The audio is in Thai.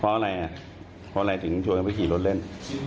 เพราะอะไรอ่ะเพราะอะไรถึงชวนไปขี่รถเล่น